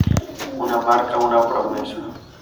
Una marca, una promesa.